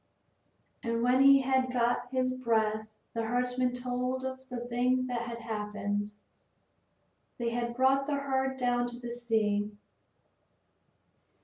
And when he had got his breath the herdsman told of the thing that had happened. They had brought the herd down to the sea.